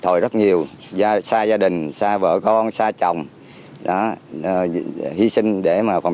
trong lòng người dân